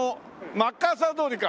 マッカーサー通りか。